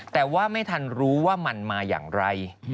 แต่ว่าไม่ทันรู้ว่ามันมาอย่างไร